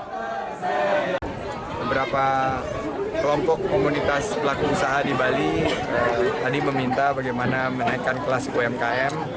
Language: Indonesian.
beberapa kelompok komunitas pelaku usaha di bali tadi meminta bagaimana menaikkan kelas umkm